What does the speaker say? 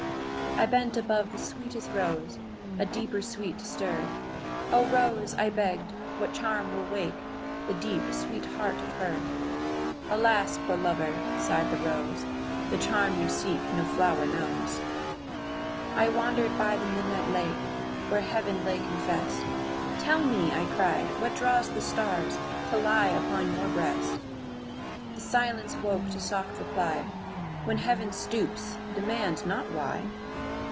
I bent above the sweetest rose, A deeper sweet to stir "O Rose," I begged, "what charm will wake The deep, sweet heart of her?" "Alas, poor lover," sighed the rose, "The charm you seek no flower knows." I wandered by the midnight lake Where heaven lay confessed "Tell me," I cried, "what draws the stars To lie upon your breast?" The silence woke to soft reply "When Heaven stoops demand not why!"